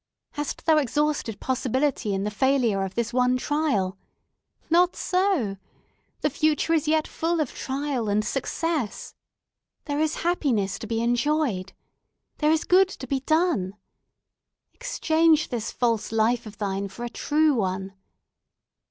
Hast thou exhausted possibility in the failure of this one trial? Not so! The future is yet full of trial and success. There is happiness to be enjoyed! There is good to be done! Exchange this false life of thine for a true one.